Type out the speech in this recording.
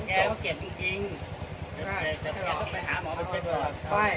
ไปหาหมอบอกเช็ดไป